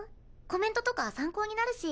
コメントとか参考になるし。